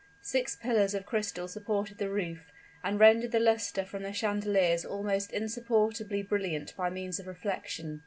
Six pillars of crystal supported the roof, and rendered the luster of the chandeliers almost insupportably brilliant by means of reflection.